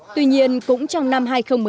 tuy nhiên cũng trong năm hai nghìn một mươi tám